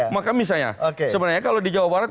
maka misalnya sebenarnya kalau di jawa barat